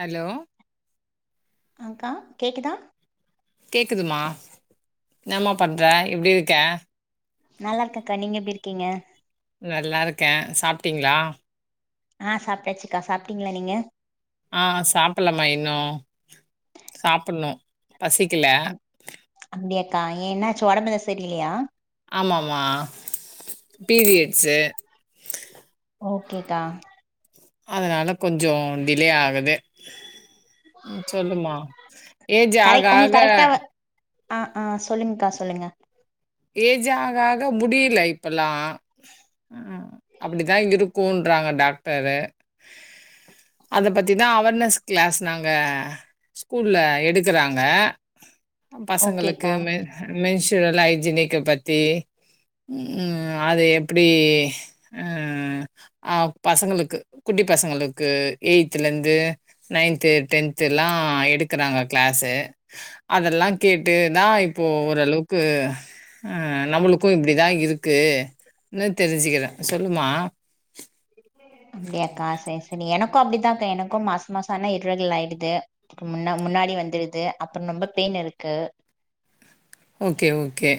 Hello ஆக்கா கேக்குதா கேக்குதுமா என்னமா பண்ற எப்டி இருக்க நல்லா இருக்கேங்க்கா நீங்க எப்டி இருக்கீங்க நல்லா இருக்கே சாப்ட்டீங்ளா ஆ சாப்ட்டாச்சுக்கா சாப்பிட்டீங்ளா நீங்க ஆ சாப்புலமா இன்னு சாப்புட்னு பசிக்கல அப் அப்டியாக்கா ஏ என்னாச்சு ஒடம்பெது சரில்லயா ஆமாமா பீரியட்ஸு ஓகேக்கா அதனால கொஞ்சோ டிலே ஆகுது ம் சொல்லுமா ஏஜ்ஜு ஆக ஆக அ ஆ சொல்லுங்க்கா சொல்லுங்க ஏஜு ஆக ஆக முடில இப்பல்லா ம் அப்டிதா இருக்குன்றாங்க டாக்டரு அத பத்திதா அவர்னஸ் கிளாஸ் நாங்க ஸ்கூல்ல எடுக்குறாங்க பசங்களுக்கு ஓகேக்கா மென் மென்ஸுரல் ஹை ஜினிக்க பத்தி ம் அது எப்டி ஆ ஆ பசங்களுக்கு குட்டி பசங்களுக்கு எய்த்துலந்து நைன்த்து டென்த்தில்லா எடுக்குறாங்க கிளாஸு அதெல்லா கேட்டுதா இப்போ ஓரளவுக்கு ஆ நம்மளுக்கு இப்டிதா இருக்கு னு தெரிஞ்சுக்கிறே சொல்லுமா அப்டியாக்கா சேர் சேரி எனக்கு அப்டித்தான்க்கா எனக்கு மாச மாசோ ஆனா இர்ரெகுலர் ஆய்டுது முன்னா முன்னாடி வந்துருது அப்பறோ ரொம்ப பெயின் இருக்கு ஓகே ஓகே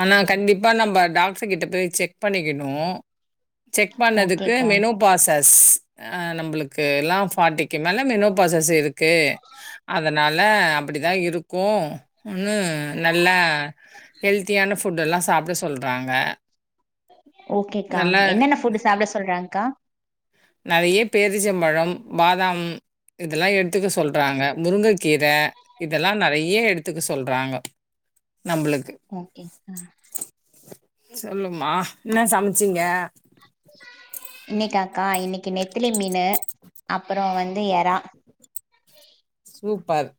ஆனா கண்டிப் பா நம்ப டாக்ரு கிட்ட போய் செக் பண்ணிக்கினு செக் பண்ணதுக்கு ஓகேக்கா மெனோ பாசஸ் ஆ நம்ளுக்கு எல்லா ஃபார்ட்டிக்கு மேல மெனோ பாசஸ் இரு க்கு அதனால அப்டிதா இருக்கு ஒன்னு நல்லா ஹெல்த்தியான ஃபுட்டெல்லா சாப்ட சொல்றாங்க ஓகேக்கா நல்லா என்னென்ன ஃபுட்டு சாப்ட சொல்றாங்க்கா நறைய பேரிச்சம்பழம் பாதாம் இதெல்லா எட்த்துக்க சொல்றாங்க முருங்கக்கீர இதெல்லா நறைய எடுத்துக்க சொல்றாங்க நம்ளுக்கு ஓகேக்கா சொல்லுமா என்ன சம்ச்சீங்க இன்னைக்காக்கா இன்னக்கி நெத்திலி மீனு அப்பறோ வந்து எறா சூப்பர்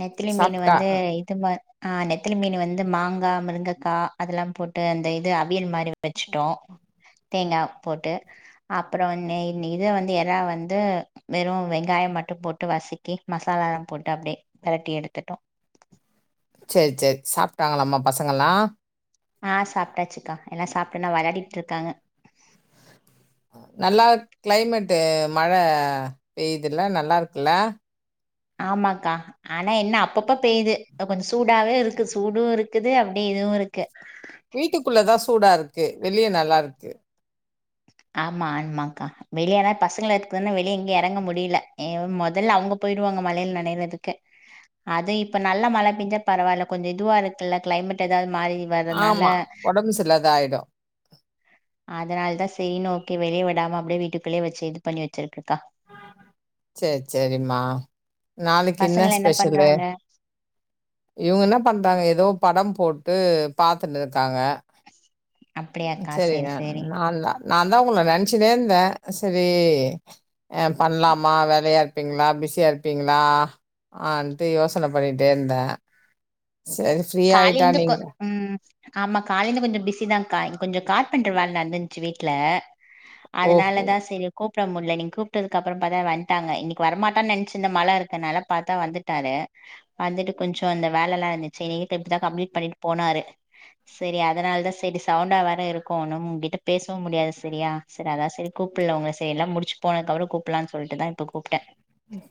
நெத்திலி மீனு சாப்ட்டா வந்து இதுமா ஆ நெத்தலி மீனு வந்து மாங்கா முருங்கக்கா அதல்லா போட்டு அந்த இது அவியல் மாரி வச்சுட்டோ தேங்கா போட்டு அப்றோ ஒன்னு என்னி இத வந்து எறா வந்து வெறு வெங்காயோ மட்டு போட்டு வசக்கி மசாலாலா போட்டு அப்டியே பெரட்டி எடுத்துட்டோ சேர் சேர் சாப்ட்டாங்களாமா பசங்கல்லா ஆ சாப்ட்டாச்சுக்கா எல்லா சாப்ட்டோன வெளாடிட்ருக்காங்க நல்லா கிளைமேட்டு மழ பெய்துல நல்லாருக்குல்ல ஆமாக்கா ஆனா என்ன அப்பப்ப பெய்து அ கொஞ்சொ சூடாவு இருக்கு சூடு இருக்குது அப்டியே இதுவு இருக்கு வீட்டுக்குள்ள தா சூடாருக்கு வெளிய நல்லாருக்கு ஆமா ஆமாங்க்கா வெளிய ஆனா பசங்கள இருக்தான்ன வெளிய எங்கயு எறங்க முடில மொதல்ல அவுங்கப் போய்ருவாங்க மழைல நெனைறதுக்கு அது இப்ப நல்ல மழ பேஞ்சா பரவால்ல கொஞ்சோ இதுவாருக்குல்ல கிளைமேட் எதாவ்து மாரி வரனால ஆமா. உடம்பு சரியில்லாத ஆயிடும். அதனால்தா செய்யினு ஓகே வெளியே விடாம அப்படியே வீட்டுக்குள்ளே வச்சு இது பண்ணி வச்சிருக்குக்கா சரி சரிமா நாளைக்கு என்ன பசங்கள ஸ்பெஷலு பண்றாங்க இவங்க என்ன பண்றாங்க ஏதோ படம் போட்டு பாத்துட்டு இருக்காங்க அப்டியாக்கா சேரி சரிங்க சேரி நாலா நான் தான் உங்கள நினைச்சின்னே இருந்தேன் சரி பண்ணலாமா வேளையா இருக் ப்பீங்களா பிஸியா இருப்பீங்களா ஆன்டு யோசனை பண்ணிட்டே இருந்தேன் சரி ஃப்ரீ ஆயிட்டா காலையிலிந்து கொ நீங்க ம் ஆமா காலையிலந்து கொஞ்சம் பிஸிதான்க்கா கொஞ்சம் கார்பண்டர் வேல நடந்து இருந்துச்சு வீட்டுல அதனால ஓஹோ! தான் சரி கூப்பிட முடியல நீங்க கூப்பிட்டது அப்புறம் பாத்தா வந்துட்டாங்க இன்னைக்கு வரமாட்டான்னு நினைச்சிருந்த மழை இருக்குனால பாத்தா வந்துட்டாரு வந்துட்டு கொஞ்சம் அந்த வேலை எல்லாம் இருந்துச்சு இட்ட இப்பதான் கம்ப்ளீட் பண்ணிட்டு போனாரு சரி அதனால தான் சரி சவுண்டா வேர இருக்கும் ஒன்னும் உங்கிட்ட பேசவும் முடியாது சரியா சரி அதான் சரி கூப்பிடல உங்க சரி எல்லாம் முடிச்சு போனதுக்குப்புறம் கூப்பலான்னு சொல்லிட்டுதான் இப்ப கூப்டேன்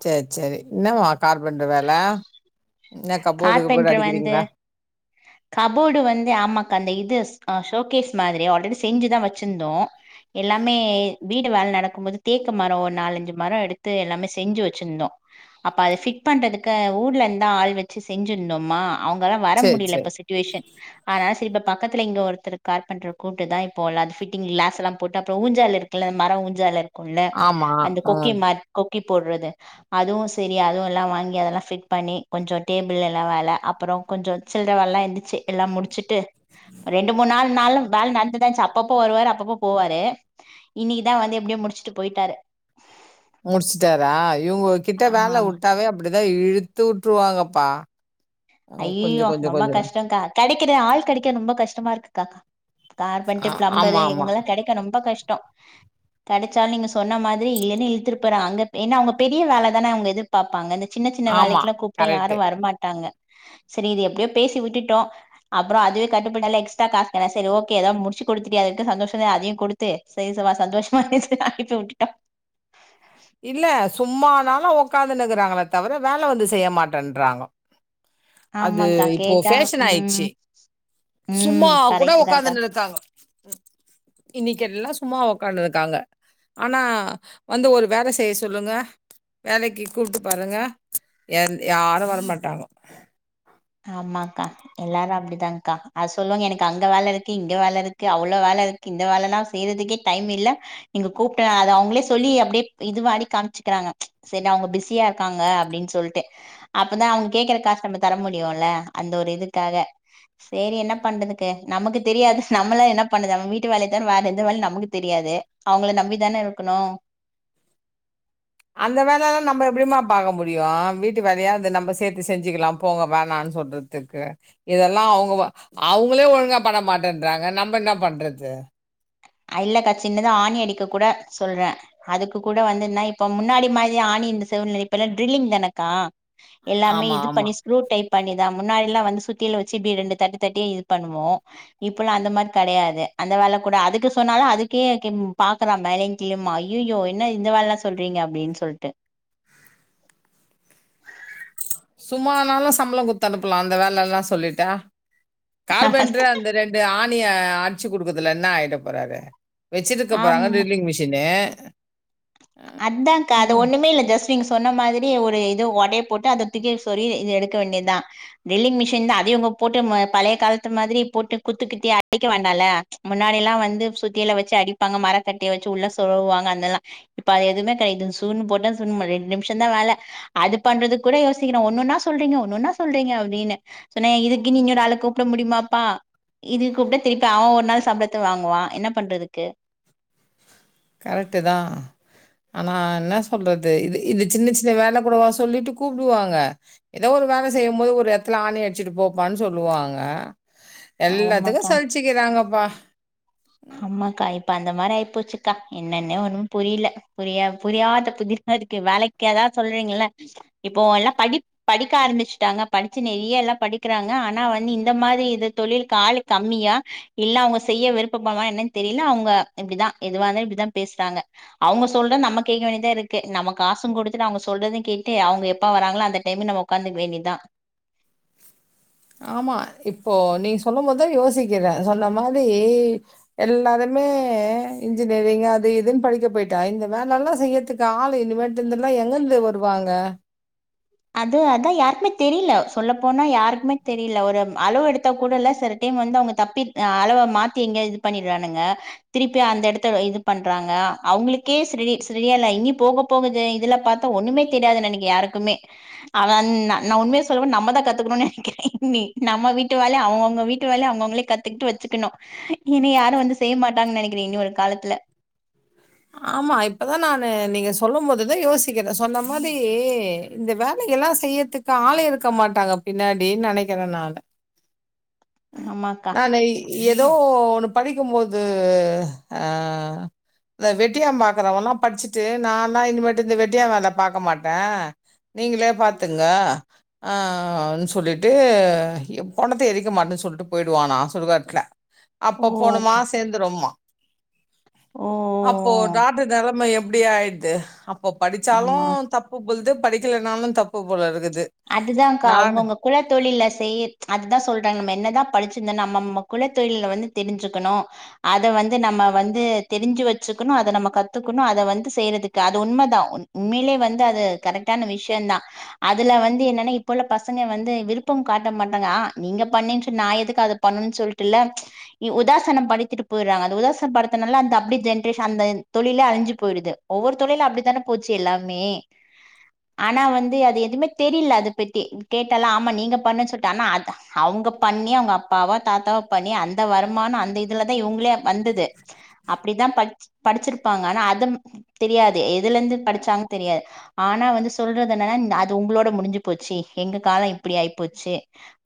சரி சரி என்னமா கார்பன்ட்ரு வேலை என்ன கப்போர்டு கிப்போர்டு கார்பென்ட்ரு வந்து அடிக்கிறீங்களா கபோர்டு வந்து ஆமாக்கா அந்த இது ஷோகேஸ் மாதிரி ஆல்ரெடி செஞ்சுதான் வச்சிருந்தோம் எல்லாமே வீடு வேலை நடக்கும் போது தேக்கு மரம் ஒரு நாலஞ்சு மரம் எடுத்து எல்லாமே செஞ்சு வச்சிருந்தோம் அப்ப அது ஃபிட் பண்றதுக்கு ஊர்ல இருந்தா ஆள் வச்சு செஞ்சிருந்தோமா அவங்கல்லாம் வர சேரி முடியல சேரி இப்ப செ டியூசன் அதனால சரி இப்ப பக்கத்துல இங்க ஒருத்தர் கார்பண்டர் கூப்புட்டு தான் இப்போ அது பிட்டிங் கிளாஸ் எல்லாம் போட்டு அப்புறம் ஊஞ்சால இருக் இ மரம் ஊஞ்சால இருக்கும்ல ஆமா அந்த ஆ கொக்கி மா கொக்கி போடுறது அதுவும் சரி அதுவும் எல்லாம் வாங்கி அதெல்லாம் ஃபிட் பண்ணி கொஞ்சம் டேபிள் எல்லாம் வேல அப்புறம் கொஞ்சம் சில்லற வேலல்லாம் இருந்ததுச்சு எல்லாம் முடிச்சுட்டு ரெண்டு முணு நாள் நாளும் வேலை நடந்துதான் சாப் அப்பப்போ வருவாரு அப்பப்போ போவாரு இன்னைக்குதா வந்து எப்டியோ முடிச்சுட்டு போயிட்டாரு முடிச்சுட்டாரா இவங்ககிட்ட ஆமா வேல ஆமா விட்டாவே அப்டிதா இழுத்து விட்டுருவாங்கப்பா ஐயோ ரொம்ப கஷ்டம் கா கிடைக்கற ஆள் கேடைக்க ரொம்ப கஷ்டமா இருக்குக்கா ஆ கார்பன்டு ஆமா பிளம்பரு ஆமா இவங்கலா கேடைக்க ரொம்ப கஷ்டம் கிடைச்சாலும் நீங்க சொன்ன மாதிரி ஏன்னே இழுத்துட்டு போறாங்க ஏன்னா அவங்க பெரிய வேலை தானே அவங்க எது பாப்பாங்க இந்த சின்ன சின்ன ஆமா வேலைக்கெல்லாம் கூப்பிட்டா கரெக்ட்டு யாரும் வரமாட்டாங்க சரி இது எப்டியோ பேசி விட்டுட்டோம் அப்புறம் அதுவே கட்டுபடுல எஸ்ட்ரா காசு சரி ஒகே எதோ முடிச்சு குடுத்துடியே அதுக்கு சந்தோஷ தான் அதையும் கொடுத்து து சரி சித்தப்பா சந்தோஷமா இருனு சொல்லி அனுப்பி விட்டடேன் இல்ல சும்மானாலு உட்காந்துன்னக்கிறாங்களே தவிர வேல வந்து செய்ய மாட்டேன்றாங்கோ அது ஆமாக்கா இப்போ கேட்டா ஃபேஷன் ம் ஆயிச்சு சும்மா ம் கூட கரெக்ட் தான்க்கா உட்காந்துன்னு இருக்காங்கோ இன்னைக்கு எல்லாம் சும்மா உக்காண்டு இருக்காங்க ஆனா வந்து ஒரு வேல செய்ய சொல்லுங்க வேலைக்கு கூப்பிட்டு பாருங்க எ யாரும் வரமாட்டாங்கோ ஆமாக்கா எல்லாரும் அப்படிதான்கா அது சொல்லுவாங்க எனக்கு அங்க வேலை இருக்கு இங்க வேலை இருக்கு அவ்ளோ வேலை இருக் கு இந்த வேலல்லாம் செய்யறதுக்கே டைம் இல்ல நீங்க கூப்பிட்ட அத அவங்களே சொல்லி அப்படியே இது மாரி காமிச்சுக்கிறாங்க சரி நா அவங்க பிஸியா இருக்காங்க அப்படின்னு சொல்டேன் அப்பதான் அவங்க கேக்குற காசு நம்ம தர முடியும் முடியும்ல அந்த ஒரு இதுக்காக சரி என்ன பண்றதுக்கு நமக்கு தெரியாது நம்மள என்ன பண்ணதும வீட்டு வேலைய தானே வேற எந்த வேலையும் நமக்கு தெரியாது அவங்கள நம்பி தானே இருக்கணும் அந்த வேலல்லா நம்ம எப்டிமா பாக்க முடியு வீட்டு வேலையாது நம்ம சேத்து செஞ்சுக்கலா போக வேணான்னு சொல்றது க்கு இதெல்லா அவுங்க அவுங்களே ஒழுங்கா பண்ண மாட்டேன்றாங்க நம்ம என்ன பண்றது அ இல்லகா சின்னதா ஆணி அடிக்க கூட சொல்றே அதுக்கு கூட வந்துன்னா இப்ப முன்னாடி மாதி ஆணி இந்த சூழ்நிலை இப்பல்லா டிரில்லிங் தானக்கா எல்லாமே ஆமா இது ஆமா பண்ணி ஸ்க்ரூ டைப் பண்ணிதா முன்னாடில்லா வந்து சுத்தியல வச்சு இப்டி ரெண்டு தட்டு தட்டி இது பண்ணுவோ இப்பொல்லா அந்தே மாதிரி கெடையாது அந்த வேல கூட அதுக்கு சொன்னாலே அதுக்கே பாக்குறா மேலயு கீழயுமா ஐய்யய்யோ என்ன இந்த வேலைலா சொல்றீங்க அப்டின்னு சொல்ட்டு சும்மா நாலு சம்பளோ குடுத்து அனுப்பலா அந்த வேலல்லா சொல்லிட்டா கார்பேன்ட்ரே அந்த ரெண்டு ஆணிய அடிச்சு குடுக்குறதுல என்ன ஆயிட போறாரு வெச்சுருக்க போறாங்க ஆமா டிரில்லிங் மிஷின்னு அதான்கா அது ஒண்ணுமே இல்ல ஜெஸ்டு நீங்க சொன்ன மாதிரி ஒரு இது ஒடை போட்டு அதேத்தூக்கி சொரி இது எடுக்க வேண்டிதா ட்ரில்லிங் மிஷின் தா அத இவுங்கே போட்டு பழைய காலத்து மாதிரி போட்டு குத்து குத்தி அடிக்க வேண்டாலே முன்னாடிலா வந்து சுத்தியில வச்சி அடிப்பாங்க மரக்கட்டையே வச்சி உள்ளே சோருவுவாங்க அதெல்லா இப்ப அது எதுமே கெடையா சூன்னு போட்ட சூன்னு ரெண்டு நிமிஷ தா வேல அது பண்றதுக்கு கூட யோசிக்கிறோ ஒண்ணொன்னா சொல்றீங்கே ஒன்னுன்னா சொல்றீங்கே அப்டின்னு சொன்னே இதுக்குனு இன்னோரு ஆள கூப்ட முடியுமாப்பா இது கூப்ட திருப்பி அவ ஒரு நாள் சம்பளத்தே வாங்குவா என்ன பண்றதுக்கு கரெக்ட்டு தா ஆனா என்ன சொல்றது இது இது சின்னே சின்னே வேல கூடவா சொல்லிட்டு கூப்டுவாங்க ஏதோ ஒரு வேல செய்யும் போது ஒரு எடத்துல ஆணி அடிச்சிட்டு போப்பான்னு சொல்லுவாங்க எல்லாத்துக்கு ஆமாக்கா சழிச்சிக்கிறாங்கப்பா அம்மாக்கா இப்ப அந்த மாரி ஆயிப்போச்சுக்கா என்னன்னே ஒன்னு புரிலே புரிய புரியாத புதிர் மாரி இருக்கு வேலக்கி எதாவ சொல்றீங்கல்லே இப்போ எல்லா படிப் படிக்க ஆரம்பிச்சுட்டாங்க படிச்சு நெறைய எல்லா படிக்கிறாங்க ஆனா வந்து இந்த மாரி இது தொழிலிக்கு ஆளு கம்மியா இல்லே அவுங்க செய்ய விருப்பப்பல்லா என்னன்னு தெரியலே அவுங்க இப்டிதா எதுவாயிந்தாலு இப்டிதா பேசுறாங்க அவுங்க சொல்ற நம்ம கேக்க வேண்டியதா இருக்கு நம்ம காசு குடுத்துட்டு அவுங்க சொல்றது கேட்டு அவுங்க எப்பா வராங்களோ அந்த டைம் நம் உக்காந்துக்க வேண்டிதா ஆமா இப்போ நீ சொல்லும் போதுதா யோசிக்கிறே சொன்ன மாதி எல்லாருமே இன்ஜினியரிங் அது இதுன்னு படிக்க போய்ட்டா இந்த வேலல்லா செய்யதுக்கு ஆலு இனிமேட்டுந்துல்லா எங்கந்து வருவாங்க அது அதா யாருக்குமே தெரில சொல்ல போனா யாருக்குமே தெரில ஒரு அளவு எடுத்த கூடல்ல ச டேம் வந்து அவுங்கே தப்பி அளவ மாத்தி எங்கயோ இது பண்ணிடுறானுங்க திருப்பி அந்த எடத்தல இது பண்றாங்கே அவுங்களுக்கே சீர்டி சீர்டி இல்ல இனி போக போகுது இதுல்ல பாத்தா ஒண்ணுமே தெரியாது நெனக்கே யாருக்குமே அவன் நா நா உண்மையே சொல்லுவே நம்ம தா கத்துக்கோணுனு நெனக்கிறே நம்ம வீட்டு டு வேலயு அவுங்கவுங்க வீட்டு வேலயு அவுங்கவுங்களே கத்துக்கிட்டு வச்சிக்கணு இனி யாரு வந்து செய்ய மாட்டாங்கனு நெனக்கிறே இனி வரு காலத்துல ஆமா இப்பதா நானு நீங்கே சொல்லும் போதுதா யோசிக்கிறே சொன்ன மாதி இந்த வேலைகள்லா செய்ய த்துக்கு ஆலே இருக்க மாட்டாங்க பின்னாடினு நெனக்கிறே நானு ஆமாக்கா நானு ஏதோ ஒன்னு படிக்கும்போது ஆ இந்த வெட்டியாம் பாக்குறவல்லா படிச்சிட்டு நான்லா இனிமேட்டு இந்த வெட்டியா வேல பாக்க மாட்டே நீங்களே பாத்துங்க ஆ சொல்லிட்டு பொனத்த எரிக்க மாட்டன் சொல்ட்டு போய்டுவானா சுடுகாட்ல ஓ அப்ப பொனமா சேர்ந்துருமா ஓ அப்போ நாட்டு நெலம எப்டி ஆய்ர்து இப்ப படிச்சாலு ஆமா தப்பு பொல்து படிக்கலனாலு தப்பு போல இருக்குது அதுதாங்க்கா நான் அவ்ங்கவ்ங்க குல தொழில செய்யி அதுதா சொல்றாங் நம்ம என்னதா படிச்சிர்ந்தா நம்மம்ம குல தொழில வந்து தெரிஞ்சுக்கணு அத வந்து நம்ம வந்து தெரிஞ்சு வச்சுக்குணு அத நம்ம கத்துக்குணு அத வந்து செய்றதுக்கு அது உண்மதா உண் உண்மேலே வந்து அது கரெக்ட்டான விஷ்யந்தா அதுல வந் து என்னன்னா இப்ப உள்ள பசங்க வந்து விருப்பம் காட்ட மாட்டாங்க ஆ நீங்க பண்ணேன் சொல் நான் எதுக்கு அத பண்ணுனுன் சொல்லிட்டுல்ல இ உதாசனம் படித்துட்டு போய்றாங்க அந்த உதாசன் படுத்தனால அந்த அப்டி ஜென்ரேஷன் அந்தன் தொழிலே அழிஞ்சு போய்டுது ஒவ்வொரு தொழிலு அப்டிதான போச்சு எல்லாமே ஆனா வந்து அது எதுமே தெரில அத பத்தி கேட்டாலு ஆமா நீங்க பண்ண சொல்ட்டு ஆனா அத அவ்ங்க பண்ணி அவ்ங்க அப்பாவோ தாத்தாவோ பண்ணி அந்த வருமானோ அந்த இதுலதா இவுங்ளே வந்தது அப்டிதா படிச் படிச்சிருப்பாங்க ஆனா அதம் தெரியாது எதுல இருந்து படிச்சாங்கு தெரியா ஆனா வந்து சொல்றது என்னனா அது உங்குளோ ட முடிஞ்சு போச்சு எங்க காலோ இப்புடி ஆய்போச்சு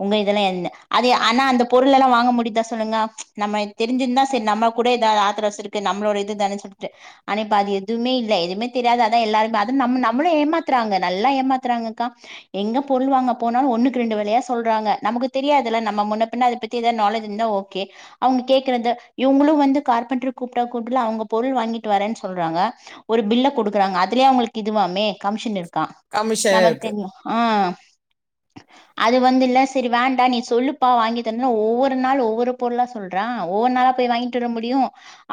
உங்க இதெல்லா என்ன அது ஆனா அந்த பொருளெலா வாங்க முடிதா சொல்லுங்க நம்ம தெரிஞ்சிர்ந்தா செரி நம்ம கூட எதாது ஆத்துர அவசுருக்கு நம்ளோட இதுதான சொல்ட்டு ஆனா இப்ப அது எதுமே இல்ல எதுமே தெரியாது அதா எல்லாரும்ப அதுன் நம்மு நம்முளே ஏமாத்துறாங்க நல்லா ஏமாத்துறாங்கக்கா எங்க பொருள் வாங்க போனாலு ஒன்னுக்கு ரெண்டு வெலையா சொல்றாங்க நமக்கு தெரியாதுல நம்ம முன்ன பின்ன அத பத் தி எதா நாலேஜ் இர்ந்தா ஓகே அவ்ங்க கேக்குறது இவுங்குளு வந்து கார்பன்ட்ரு கூப்ட்டா கூப்டுல அவ்ங்க பொருள் வாங்கிட்டு வரேன் சொல்றாங்க ஒரு பில்ல குடுக்குறாங்க அதுலே அவுங்களுக் இதுவாமே கமிஷன் இருக்கா கமிஷன் நம இருக்கு. ஆ அது வந்துல்ல செரி வேண்டா நீ சொல்லுப்பா வாங்கி தந்ற ஒவ்வொரு நாள் ஒவ்வொரு பொருள்லா சொல் றா ஒவ்வொர் நாளா போய் வாங்கிட்டு வர முடியு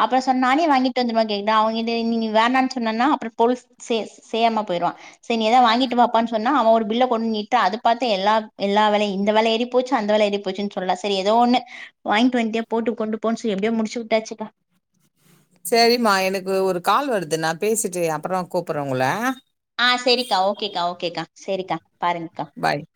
அப்புற சொன் நானே வாங்கிட்டு வந்துருவ கேட்ட அவங்கிட்ட இனி நீ வேணான் சொன்னனா அப்புறோ போலுஸ் சே செய்யாம போய்ருவான் சரி நீ ஏதா வாங்கிட்டு வாப்பான் சொன்னா அவன் ஒரு பில்ல கொண்நீட்ட அது பாத்து எல்லா எல்லாவெலை இந்த வெல ஏறி போச்சு அந்த வெல எறி போச்சுன் சொல்லல சேரி ஏதோ ஒன்னு வாய்ங்ட்டு வன்ட்டுயே போட்டு கொண்டு போன்சு எப்டியோ முடிச்சு உட்டாச்சுக்கா சரிம்மா எனக்கு ஒரு கால் வருது நான் பேசிட்டு அப்புறோ கூப்புற உங்குள ஆ செரிக்கா ஓகேக்கா ஓகேக்கா செரிக்கா பாருங்கக்கா பாய்